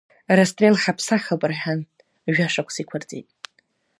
Расстрел ҳаԥсахып, – рҳәан, жәашықәса иқәырҵеит.